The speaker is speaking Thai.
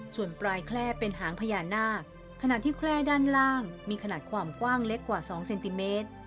ส่วนปลายแคล่เป็นหางพญานาคขณะที่แคล่ด้านล่างมีขนาดความกว้างเล็กกว่า๒เซนติเมตร